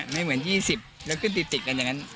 ไม่เหมือน๒๐แล้วขึ้นติดกันอย่างนั้น